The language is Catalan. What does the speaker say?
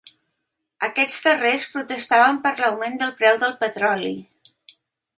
Aquests darrers protestaven per l’augment del preu del petroli.